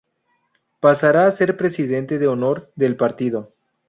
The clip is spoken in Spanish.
Pasará a ser presidente de honor del partido.